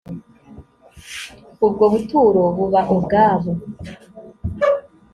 ubwo buturo buba ubwabo.